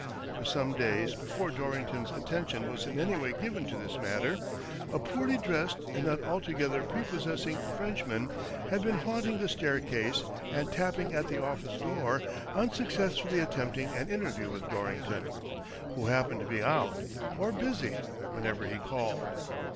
For some days before Dorrington's attention was in any way given to this matter, a poorly dressed and not altogether prepossessing French man had been haunting the staircase and tapping at the office door, unsuccessfully attempting an interview with Dorrington, who happened to be out, or busy, whenever he called.